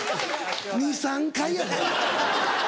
２３回やで。